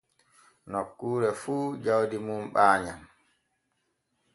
Nokkuure fu jawdi mum ɓaayam.